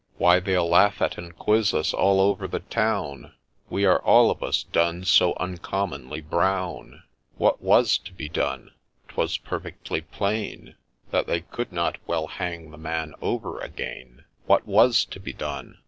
— Why, they'll laugh at and quiz us all over the town, We are all of us done so uncommonly brown !' What was to be done ?— 'twas perfectly plain That they could not well hang the man over again :• What was to be done